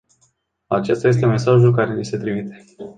Acesta este mesajul care ni se trimite.